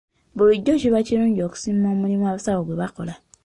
Bulijjo kiba kirungi okusiima omulimu abasawo gwe bakola.